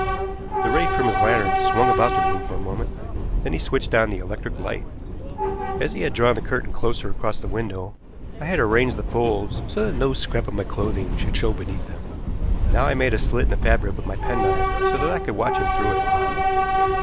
The ray from his lantern swung about the room for a moment, then he switched on the electric light. As he had drawn the curtain closer across the window, I had arranged the folds so that no scrap of my clothing should show beneath them. Now I made a slit in the fabric with my penknife so that I could watch him through it.